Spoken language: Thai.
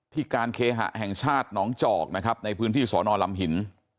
การเคหะแห่งชาติหนองจอกนะครับในพื้นที่สอนอลำหิน